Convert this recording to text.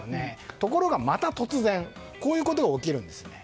ところがまた、突然こういうことが起きるんです。